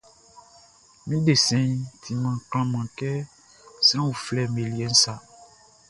Mi desɛnʼn timan klanman kɛ sran uflɛʼm be liɛʼn sa.